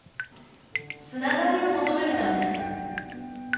繋がりを求めてたんです。